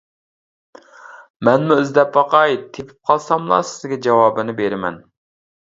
مەنمۇ ئىزدەپ باقاي تېپىپ قالساملا سىزگە جاۋابىنى بېرىمەن.